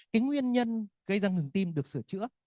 cái nguyên nhân gây ra ngừng tim được sửa chữa